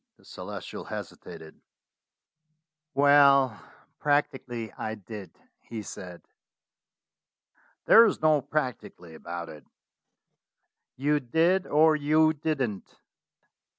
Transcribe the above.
The Celestial hesitated. "Well, practically I did," he said. "There is no 'practically' about it. You did or you didn't."